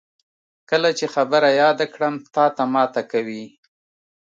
کله چې خبره یاده کړم، تاته ماته کوي.